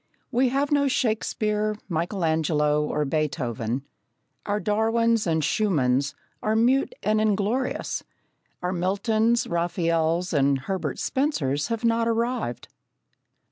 We have no Shakespeare, Michelangelo, or Beethoven; our Darwins, our Schumanns are mute and inglorious; our Miltons, Raphaels, and Herbert Spencers have not arrived.